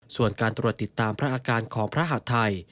ส่วนการตรวจติดตามพระอาการของพระหัฐไทย